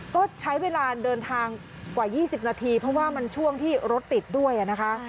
ก็ใช้เวลาเดินทางกว่า๒๐นาทีเพราะว่ามันช่วงที่รถติดด้วยนะคะ